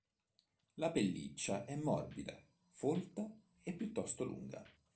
La pelliccia è morbida, folta e piuttosto lunga.